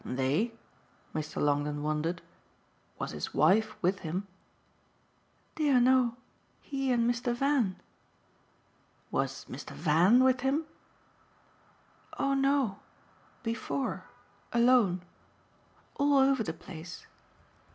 "They?" Mr. Longdon wondered. "Was his wife with him?" "Dear no he and Mr. Van." "Was Mr. Van with him?" "Oh no before, alone. All over the place."